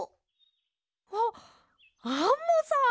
あっアンモさん！